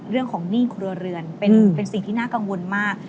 หนี้ครัวเรือนเป็นสิ่งที่น่ากังวลมาก